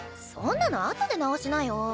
そんなの後で直しなよ。